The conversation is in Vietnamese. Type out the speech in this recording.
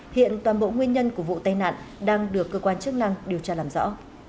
hiện toàn bộ nguyên nhân của vụ tai nạn đang được cơ quan chức năng điều tra làm rõ